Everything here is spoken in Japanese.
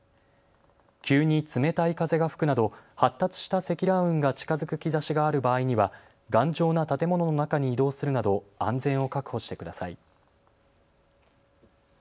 急に冷たい風が吹くなど発達した積乱雲が近づく兆しがある場合には頑丈な建物の中に移動するなど安全を確保してください。